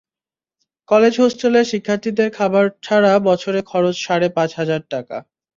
কলেজের হোস্টেলে শিক্ষার্থীদের খাবার ছাড়া বছরে খরচ সাড়ে পাঁচ হাজার টাকা।